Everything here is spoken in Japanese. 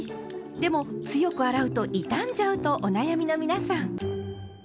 でも強く洗うと傷んじゃうとお悩みの皆さん。